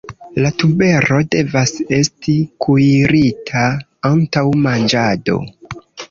La tubero devas esti kuirita antaŭ manĝado.